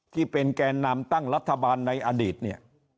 ที่เป็นแก่นามตั้งรัฐบาลในอดีตเนี่ย